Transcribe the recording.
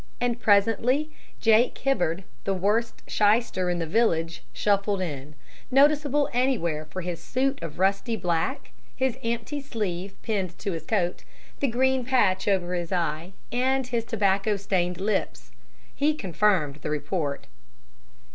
And presently Jake Hibbard, the worst "shyster" in the village, shuffled in noticeable anywhere for his suit of rusty black, his empty sleeve pinned to his coat, the green patch over his eye, and his tobacco stained lips. He confirmed the report.